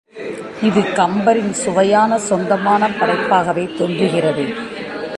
இது கம்பரின் சுவையான சொந்தப் படைப்பாகவே தோன்றுகிறது.